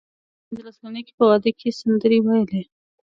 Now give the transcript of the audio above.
هغه په پنځلس کلنۍ کې په واده کې سندرې وویلې